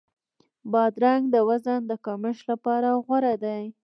بادرنګ د وزن د کمښت لپاره غوره دی.